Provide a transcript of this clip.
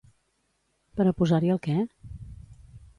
Per a posar-hi el què?